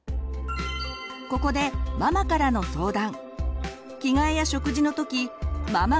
ここでママからの相談。